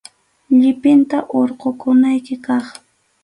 Llipinta hurqukunayki kaq.